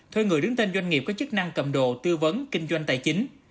thuê người đứng tên doanh nghiệp có chức năng cầm đồ tư vấn kinh doanh tài chính